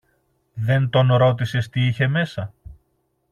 Δεν τον ρώτησες τι είχε μέσα;